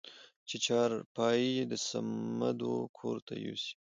چې چارپايي د صمدو کورته يوسې؟